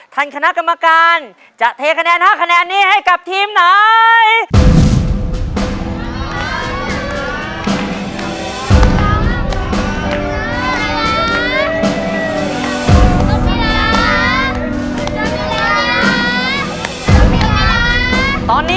ท่านคณะกรรมการจะเทคะแนน๕คะแนนของทีมไหน